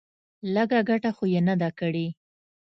لږه گټه خو يې نه ده کړې.